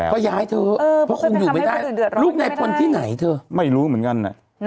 ก็ย้ายเถอะเพราะคงอยู่ไม่ได้ลูกในพลที่ไหนเธอไม่รู้เหมือนกัน